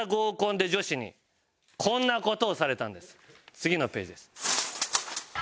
次のページです。